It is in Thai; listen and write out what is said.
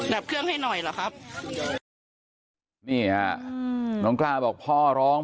ดับเครื่องให้หน่อยเหรอครับนี่ฮะอืมน้องกล้าบอกพ่อร้อง